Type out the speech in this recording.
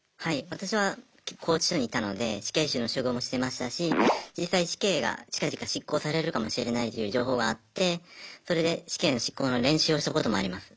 私は拘置所にいたので死刑囚の処遇もしてましたし実際死刑が近々執行されるかもしれないという情報があってそれで死刑の執行の練習をしたこともあります。